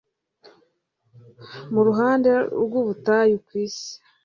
mu ruhande rw’ubutayu rw’ikusi.